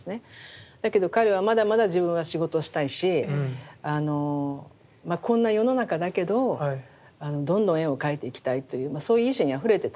だけど彼はまだまだ自分は仕事したいしこんな世の中だけどどんどん絵を描いていきたいというそういう意志にあふれてた時代。